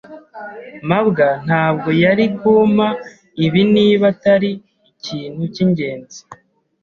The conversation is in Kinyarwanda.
mabwa ntabwo yari kumpa ibi niba atari ikintu cyingenzi.